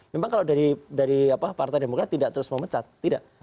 memang kalau dari partai demokrat tidak terus memecat